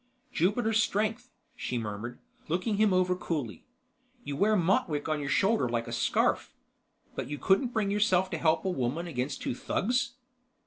"Jupiter strength," she murmured, looking him over coolly. "You wear Motwick on your shoulder like a scarf. But you couldn't bring yourself to help a woman against two thugs."